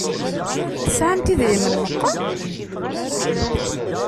Tesɛamt idrimen meqqar?